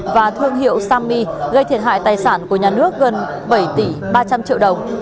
và thương hiệu sami gây thiệt hại tài sản của nhà nước gần bảy tỷ ba trăm linh triệu đồng